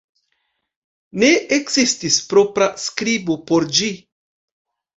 Ne ekzistis propra skribo por ĝi.